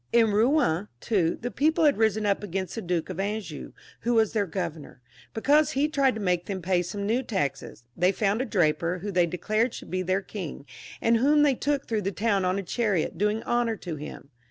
In Eouen too the people had risen up against the Duke of Anjou, who was their governor, because he tried to make them pay some new taxes ; they found a draper, who they declared should be their king, and whom they took through the town on a chariot, doing honour to him.